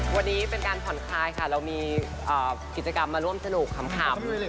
วันนี้เป็นการผ่อนคลายค่ะเรามีกิจกรรมมาร่วมสนุกขำ